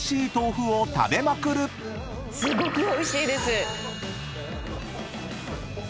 すごくおいしいです！